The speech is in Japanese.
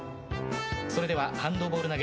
それでは、ハンドボール投げ